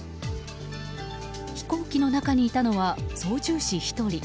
飛行機の中にいたのは操縦士１人。